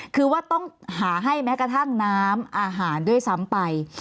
คือว่าต้องหาให้แม้กระทั่งน้ำอาหารด้วยซ้ำไป